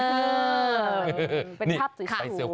เออเป็นภาพสวยครับ